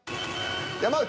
山内。